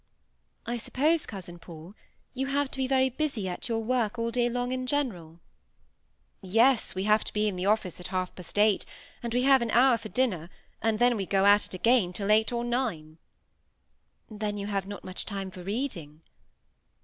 "I suppose, cousin Paul, you have to be very busy at your work all day long in general." "Yes, we have to be in the office at half past eight; and we have an hour for dinner, and then we go at it again till eight or nine." "Then you have not much time for reading."